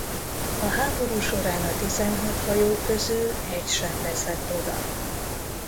A háború során a tizenhat hajó közül egy sem veszett oda.